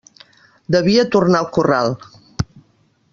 Devia tornar al corral.